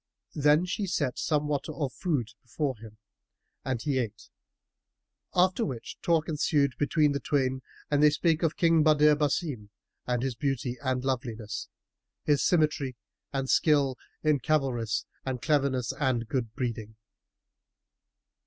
Then she set somewhat of food before him and he ate, after which talk ensued between the twain and they spake of King Badr Basim and his beauty and loveliness, his symmetry and skill in cavalarice and cleverness and good breeding.